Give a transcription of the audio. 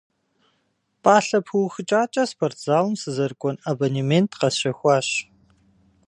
Пӏалъэ пыухыкӏакӏэ спортзалым сызэрыкӏуэн абонемент къэсщэхуащ.